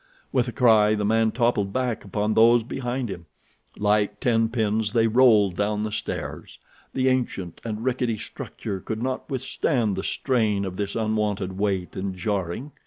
With a cry, the man toppled back upon those behind him. Like tenpins they rolled down the stairs. The ancient and rickety structure could not withstand the strain of this unwonted weight and jarring.